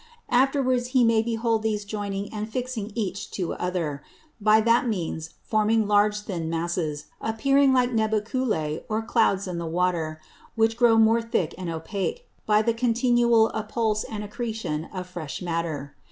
Afterwards he may behold these joining and fixing each to other, by that means forming large thin Masses, appearing like Nubeculæ, or Clouds in the Water; which grow more thick and opake, by the continual appulse and accretion of fresh Matter.